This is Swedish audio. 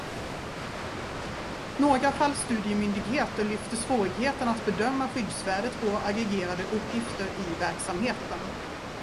Några fallstudiemyndigheter lyfter svårigheten att bedöma skyddsvärdet på aggregerade uppgifter i verksamheten.